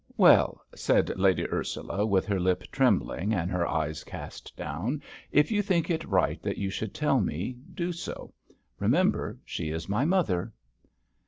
"Well," said Lady Ursula, with her lip trembling and her eye cast down, "if you think it right that you should tell me, do so; remember she is my mother."